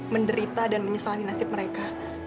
menderita dan menyesali nasib mereka